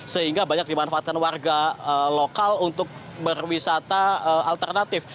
sehingga banyak dimanfaatkan warga lokal untuk berwisata alternatif